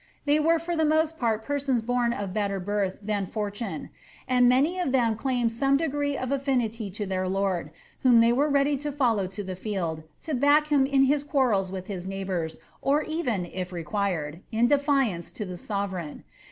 They were for the most part persons of better birth than fortune, and many of them claimed some degree of affinity to their lord, whom they were ready to follow to the field, to back hun in his quarrels with his neighbours, or even, if required, in defiance to the sovereign.